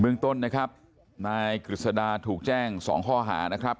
เมืองต้นนะครับนายกฤษดาถูกแจ้ง๒ข้อหานะครับ